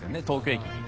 東京駅に。